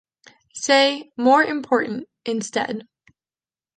Say "more important" instead.